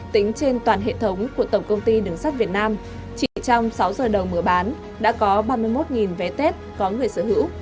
tính trên toàn hệ thống của tổng công ty đường sắt việt nam chỉ trong sáu giờ đầu mở bán đã có ba mươi một vé tết có người sở hữu